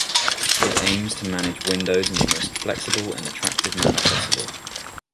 It aims to manage windows in the most flexible and attractive manner possible.